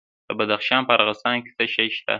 د بدخشان په راغستان کې څه شی شته؟